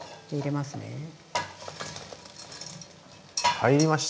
入りました。